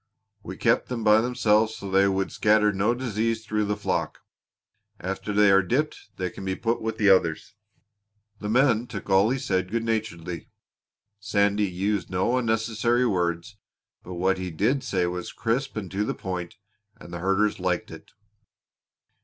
We kept them by themselves so they would scatter no disease through the flock. After they are dipped they can be put with the others." The men took all he said good naturedly. Sandy used no unnecessary words, but what he did say was crisp and to the point, and the herders liked it.